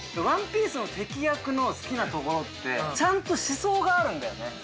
ワンピースの敵役の好きなところってちゃんと思想があるんだよね。